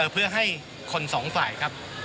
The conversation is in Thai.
เพื่อให้คนสองฝ่ายครับ